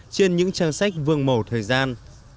trên những trang sách vương mổ thời gian